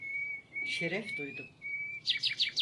Şeref duydum.